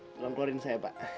tolong keluarin saya pak